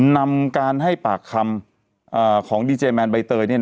นำการให้ปากคำของดีเจแมนใบเตย